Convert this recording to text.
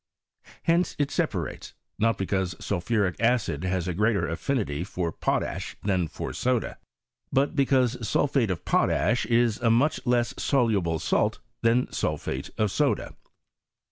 Hence it separates ; not because sulphuric acid has a greater affinity for potash than for soda, but because sulphate of potash is a much less soluble salt than sulphate of soda.